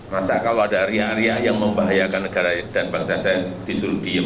masa kalau ada riak riak yang membahayakan negara dan bangsa saya disuruh diem